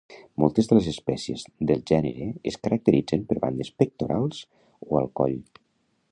Moltes de les espècies del gènere es caracteritzen per bandes pectorals o al coll.